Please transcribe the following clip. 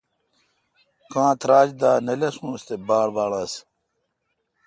کاں تراچ دا نہ لسونس تے باڑ باڑ انس